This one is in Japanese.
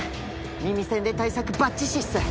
耳栓で対策バッチシっす！